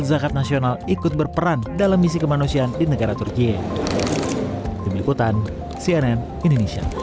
dan juga pemerintah nasional ikut berperan dalam misi kemanusiaan di negara turkiye